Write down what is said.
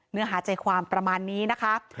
เนื้อหาใจความประมาณนี้นะคะ